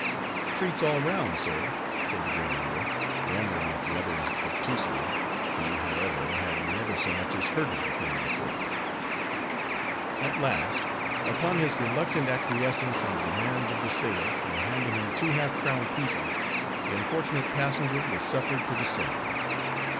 "Treats all round, sir," said the Greenlander, wondering at the other's obtusity, who, however, had never so much as heard of the thing before. At last, upon his reluctant acquiescence in the demands of the sailor, and handing him two half crown pieces, the unfortunate passenger was suffered to descend.